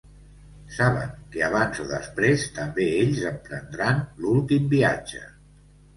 Saben que, abans o després, també ells emprendran l'últim viatge.